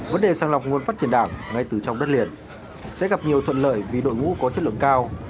vấn đề sang lọc nguồn phát triển đảng ngay từ trong đất liền sẽ gặp nhiều thuận lợi vì đội ngũ có chất lượng cao